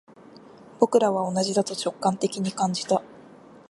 僕らは同じだと直感的に感じた